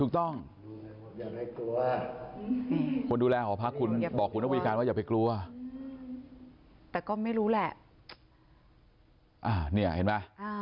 แต่ก็ไม่รู้แหละ